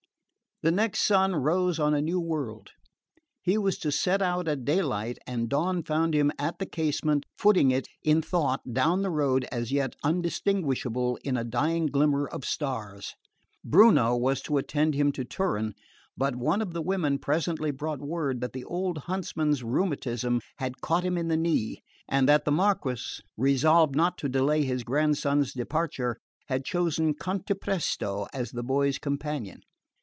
The next sun rose on a new world. He was to set out at daylight, and dawn found him at the casement, footing it in thought down the road as yet undistinguishable in a dying glimmer of stars. Bruno was to attend him to Turin; but one of the women presently brought word that the old huntsman's rheumatism had caught him in the knee, and that the Marquess, resolved not to delay his grandson's departure, had chosen Cantapresto as the boy's companion.